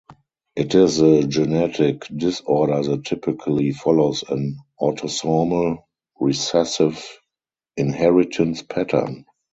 It is a genetic disorder that typically follows an autosomal recessive inheritance pattern.